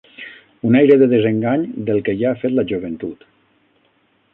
Un aire de desengany del que ja ha fet la joventut